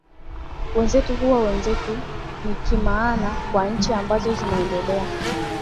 wenzetu huwa wenzetu nikimaana kwa nchi ambazo zimeendelea